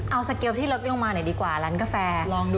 เอาสเกลที่เล็กลงมาหน่อยดีกว่าร้านกาแฟ